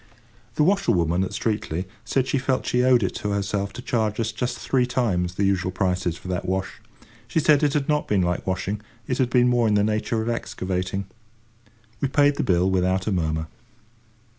The washerwoman at Streatley said she felt she owed it to herself to charge us just three times the usual prices for that wash. She said it had not been like washing, it had been more in the nature of excavating. We paid the bill without a murmur.